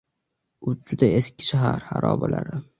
U juda eski shahar xarobalari…